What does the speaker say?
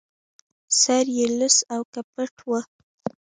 سر يې لڅ و او که پټ و